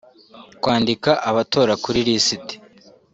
kwandika abatora kuri lisiti